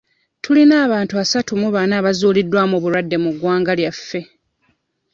Tulina abantu asatu mu bana abazuuliddwamu obulwadde mu ggwanga lyaffe.